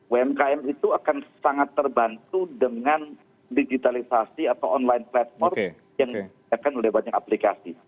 umkm itu akan sangat terbantu dengan digitalisasi atau online platform yang disediakan oleh banyak aplikasi